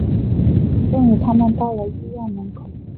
终于他们到了医院门口